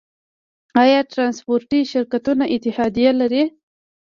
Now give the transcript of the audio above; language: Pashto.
آیا ټرانسپورټي شرکتونه اتحادیه لري؟